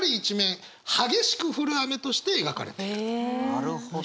なるほど。